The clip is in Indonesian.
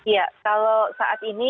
ya kalau saat ini